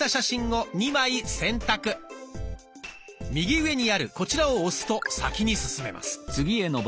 右上にあるこちらを押すと先に進めます。